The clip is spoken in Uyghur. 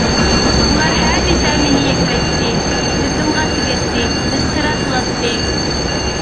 ئۇلار ھە دېسە مېنى يەكلەيتتى، زىتىمغا تېگەتتى، مەسخىرە قىلاتتى.